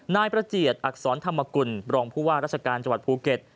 นายประเจียดอักษรธรรมกุลรองพุว่ารัชกาลจัวร์ภูเก็ต